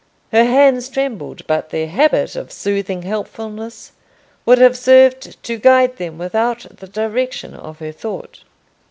Her hands trembled, but their habit of soothing helpfulness would have served to guide them without the direction of her thought.